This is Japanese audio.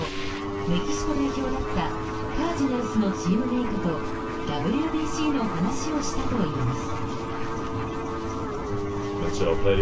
メキシコ代表だったカージナルスのチームメートとＷＢＣの話をしたといいます。